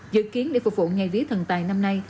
dự kiến để phục vụ ngày vía thần tài năm nay